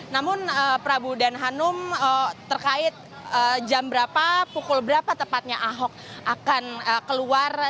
namun prabu dan hanum terkait jam berapa pukul berapa tepatnya ahok akan keluar